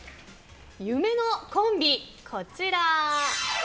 夢のコンビ、こちら。